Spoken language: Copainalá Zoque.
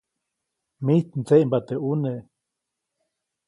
Mijt mdseʼmba teʼ ʼuneʼ.